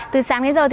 từ sáng đến giờ